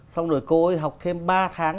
xong rồi cô ấy học thêm ba tháng